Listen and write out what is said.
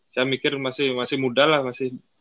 saya mikir masih muda lah masih